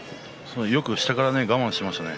よく下から我慢しましたね